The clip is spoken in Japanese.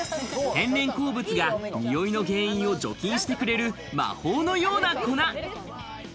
天然鉱物が臭いの原因を除去してくれる魔法のような粉。